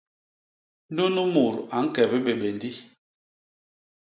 Nunu mut a ñke bibébéndi.